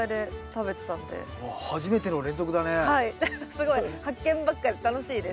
すごい発見ばっかで楽しいです。